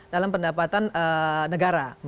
dalam pendapatan negara